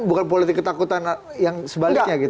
bukan politik ketakutan yang sebaliknya gitu